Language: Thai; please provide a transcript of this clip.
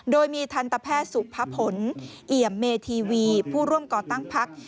โดยมีทันตแพทย์สุภพลเอี่ยมเมธีวีผู้ร่วมก่อตั้งพัก